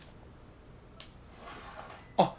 あっ！